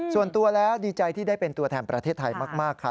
ส่วนตัวแล้วดีใจที่ได้เป็นตัวแทนประเทศไทยมากค่ะ